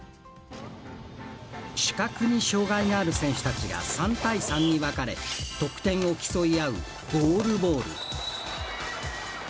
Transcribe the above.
視覚に障がいがある選手たちが３対３に分かれ得点を競い合うゴールボール。